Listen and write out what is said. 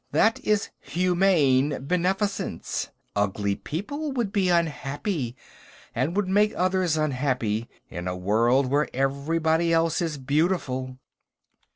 "That is humane beneficence. Ugly people would be unhappy, and would make others unhappy, in a world where everybody else is beautiful."